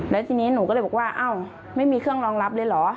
แล้วทีนี้หนูก็เลยบอกว่าอ้าวไม่มีเครื่องรองรับเลยเหรอ